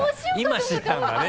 今知ったんだね